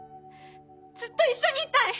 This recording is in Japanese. ずっと一緒にいたい！